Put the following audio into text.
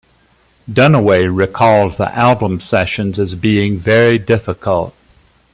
Dunaway recalled the album sessions as being very difficult.